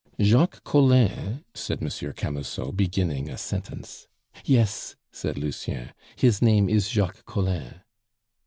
"Jacques Collin " said Monsieur Camusot, beginning a sentence. "Yes," said Lucien, "his name is Jacques Collin."